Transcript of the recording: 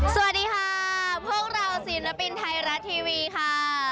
สวัสดีค่ะพวกเราศิลปินไทยรัฐทีวีค่ะ